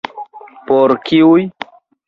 Por kiuj?